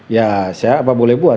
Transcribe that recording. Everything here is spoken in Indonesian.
ya saya apa boleh buat